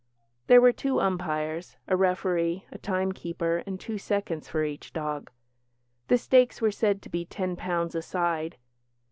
There were two umpires, a referee, a timekeeper, and two seconds for each dog. The stakes were said to be ten pounds a side.